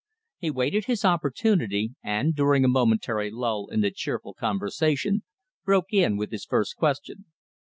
He waited his opportunity, and, during a momentary lull in the cheerful conversation, broke in with his first question.